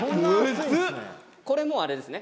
これもうあれですね